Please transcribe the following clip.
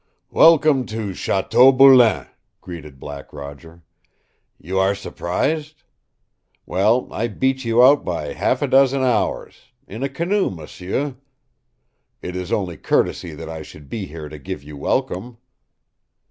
"Welcome to Chateau Boulain," greeted Black Roger. "You are surprised? Well, I beat you out by half a dozen hours in a canoe, m'sieu. It is only courtesy that I should be here to give you welcome!"